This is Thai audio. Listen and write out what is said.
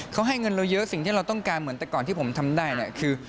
เขาให้เงินเราเยอะสิ่งที่เราต้องการเหมือนแต่ก่อนที่ผมทำได้เนี่ยคือ